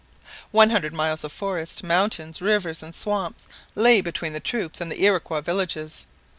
One hundred miles of forest, mountains, rivers, and swamps lay between the troops and the Iroquois villages.